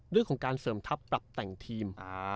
เรื่องของการเสริมทัพปรับแต่งทีม